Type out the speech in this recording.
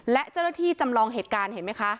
และเจ้าหน้าที่จำลองเหตุการณ์เห็นไหมคะ